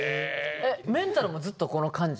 メンタルもずっとこの感じ？